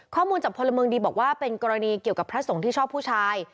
ข้อมูลจากพลเมืองดีบอกว่าเป็นกรณีเกี่ยวกับพระสงฆ์ที่ชอบผู้ชาย